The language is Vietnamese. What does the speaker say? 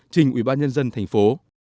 trình ủy ban nhân dân thành phố